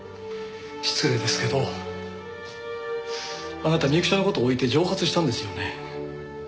失礼ですけどあなた美雪ちゃんの事置いて蒸発したんですよね？